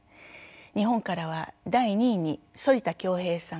日本からは第２位に反田恭平さん